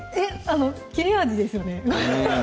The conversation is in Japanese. あの切れ味ですよね